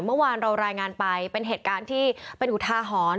เมื่อวานเรารายงานไปเป็นเหตุการณ์ที่เป็นอุทาหรณ์